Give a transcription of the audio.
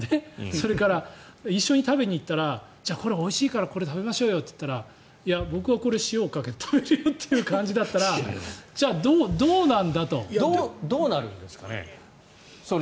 それから、一緒に食べに行ったらじゃあこれおいしいからこれ食べましょうよと言ったらいや、僕はこれ、塩をかけて食べるよという感じだったらどうなるんですかね。